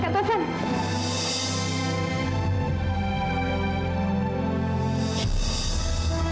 ketepan sekarang labanya worrying